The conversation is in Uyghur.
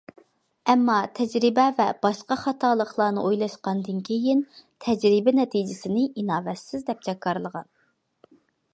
ئەمما تەجرىبە ۋە باشقا خاتالىقلارنى ئويلاشقاندىن كېيىن، تەجرىبە نەتىجىسىنى ئىناۋەتسىز دەپ جاكارلىغان.